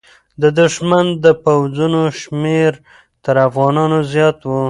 د دښمن د پوځونو شمېر تر افغانانو زیات و.